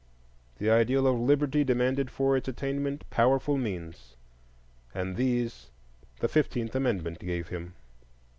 The ideal of liberty demanded for its attainment powerful means, and these the Fifteenth Amendment gave him.